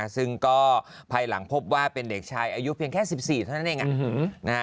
ซึ่งก็ภายหลังพบว่าเป็นเด็กชายอายุเพียงแค่๑๔เท่านั้นเอง